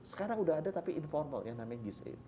sekarang udah ada tapi informal yang namanya gise